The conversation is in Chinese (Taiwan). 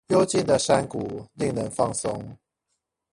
幽靜的山谷令人放鬆